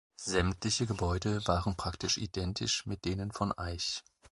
Sämtliche Gebäude waren praktisch identisch mit denen von Eich.